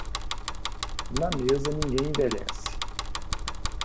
Na mesa, ninguém envelhece.